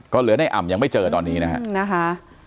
ก็เหลือในอ่ำยังไม่เจอตอนนี้นะฮะ